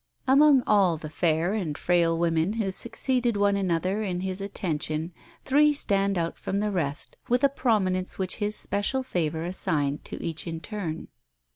Among all the fair and frail women who succeeded one another in his affection three stand out from the rest with a prominence which his special favour assigned to each in turn.